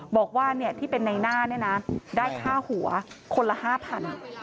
บอกว่าเนี่ยที่เป็นในหน้านี่นะค่ะได้ค่าหัวคนละห้าพัน